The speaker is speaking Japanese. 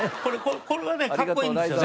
これがねかっこいいんですよね。